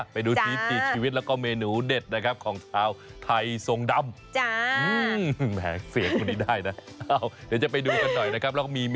ไปทำอะไรจ๊ะไอ้ม่า